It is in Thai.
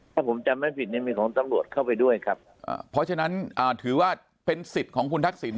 ถ้าผมจำไม่ผิดเนี่ยมีของตำรวจเข้าไปด้วยครับเพราะฉะนั้นอ่าถือว่าเป็นสิทธิ์ของคุณทักษิณ